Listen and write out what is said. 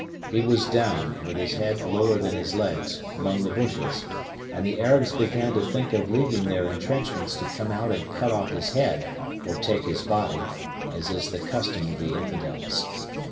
He was down, with his head lower than his legs, among the bushes, and the Arabs began to think of leaving their intrenchments to come and cut off his head or take his body as is the custom with the infidels.